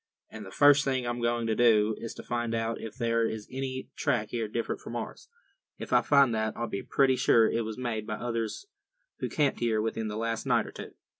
And the first thing I'm going to do is to find out if there is any track here different from ours. If I find that, I'll be pretty sure it was made by others who camped here within the last night or two."